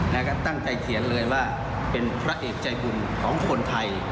แล้วก็ตั้งใจเขียนเลยว่าเป็นพระเอกใจบุญของคนไทย